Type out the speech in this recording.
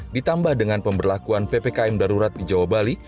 ditambah dengan pemberlakuan ppkm darurat di jawa bali